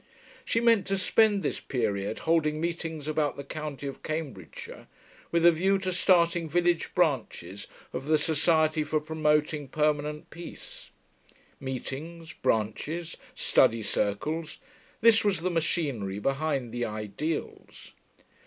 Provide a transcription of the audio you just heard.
She meant to spend this period holding meetings about the county of Cambridgeshire with a view to starting village branches of the Society for Promoting Permanent Peace. Meetings branches study circles this was the machinery behind the ideals.